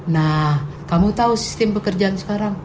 nah kamu tahu sistem pekerjaan sekarang